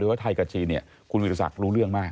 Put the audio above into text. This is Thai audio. ว่าไทยกับจีนคุณวิทยาศักดิ์รู้เรื่องมาก